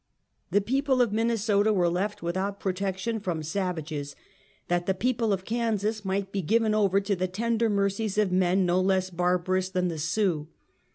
The people of Minnesota were left without protection from savages, that the people of Kansas might be given over to the tender mercies of men no less barbarous than the Sioux.